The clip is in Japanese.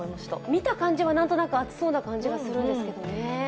見た感じは何となく暑そうな感じがするんですけどね。